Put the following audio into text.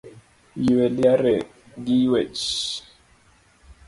Yue liare gi yuech